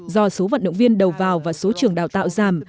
do số vận động viên đầu vào và số trường đào tạo giảm